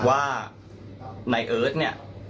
ว่านายเอิร์ทเนี่ย